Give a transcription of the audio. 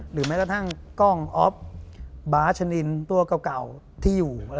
แม้กระทั่งกล้องออฟบาร์ชนินตัวเก่าที่อยู่